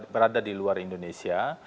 berada di luar indonesia